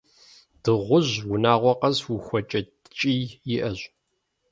Дыгъужь унагъуэ къэс ухуэкӏэ ткӏий иӏэщ.